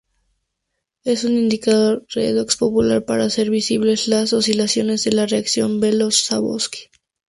Es un indicador redox popular para hacer visibles las oscilaciones de la reacción Belousov–Zhabotinsky.